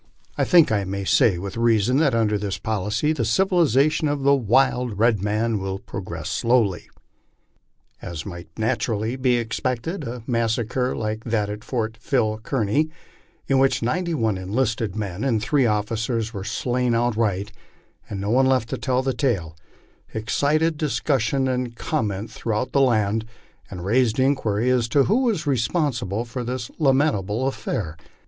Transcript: I think I may say with reason, that under this policy tbo civilization of the wild red man will progress slowly." As might naturally be expected, a massacre like that at Fort Phil Kearny, in which ninety one enlisted men and three officers were slain outright, and no one left to tell the tale, excited discussion and comment throughout the land, and raised inquiry as to who was responsible for this lamentable affair.